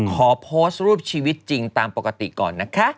ขอโพสต์รูปชีวิตจริงตามปกติก่อนนะคะ